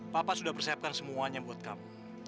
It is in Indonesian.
papa sudah persiapkan semuanya buat kamu